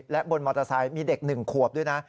และบนมอเตอร์ไซค์มีเด็ก๑ขวบด้วยนะ